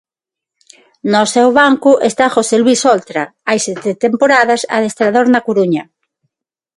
No seu banco está José Luís Oltra, hai sete temporadas adestrador na Coruña.